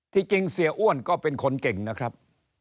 จริงเสียอ้วนก็เป็นคนเก่งนะครับ